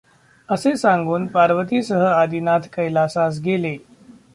असे सांगून पार्वतीसह आदिनाथ कैलासास गेले.